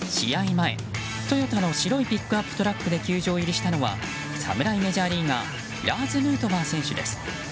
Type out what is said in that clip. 前、トヨタの白いピックアップトラックで球場入りしたのは侍メジャーリーガーラーズ・ヌートバー選手です。